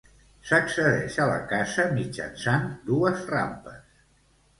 S'accedeix a la casa mitjançant dues rampes.